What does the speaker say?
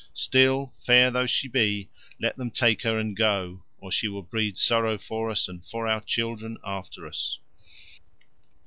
Still, fair though she be, let them take her and go, or she will breed sorrow for us and for our children after us."